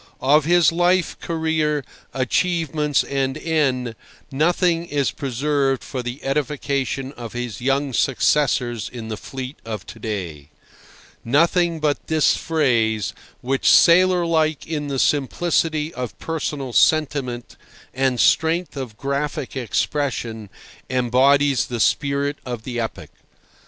Of his life, career, achievements, and end nothing is preserved for the edification of his young successors in the fleet of to day—nothing but this phrase, which, sailor like in the simplicity of personal sentiment and strength of graphic expression, embodies the spirit of the epoch.